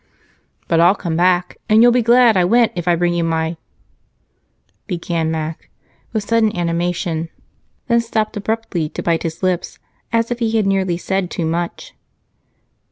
"But I'll come back, and you'll be glad I went if I bring you my " began Mac with sudden animation, then stopped abruptly to bite his lips, as if he had nearly said too much.